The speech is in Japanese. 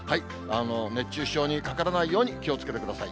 熱中症にかからないように気をつけてください。